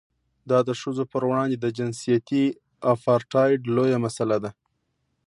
دا د ښځو پر وړاندې د جنسیتي اپارټایډ لویه مسله ده.